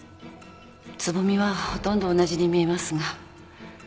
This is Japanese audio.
つぼみはほとんど同じに見えますが。